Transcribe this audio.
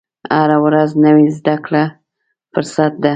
هره ورځ نوې زده کړه فرصت ده.